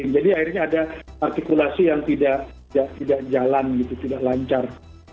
jadi akhirnya ada artikulasi yang tidak jalan gitu tidak lancar